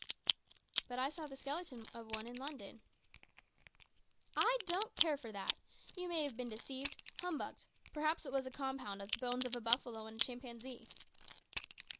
"But I saw the skeleton of one in London." "I don't care for that. You may have been deceived, humbugged. Perhaps it was a compound of the bones of a buffalo and a chimpanzee."